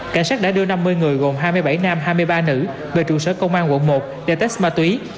cảnh sát đã đưa năm mươi người gồm hai mươi bảy nam hai mươi ba nữ về trụ sở công an quận một để test ma túy